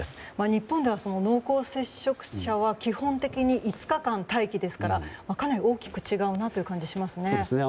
日本では濃厚接触者は基本的に５日間の待機ですからかなり大きく違うなという感じがしますね。